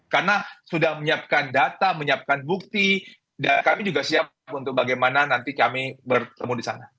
karena sudah menyiapkan data menyiapkan bukti kami juga siap untuk bagaimana nanti kami bertemu di sana